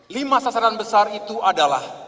lima sasaran besar itu adalah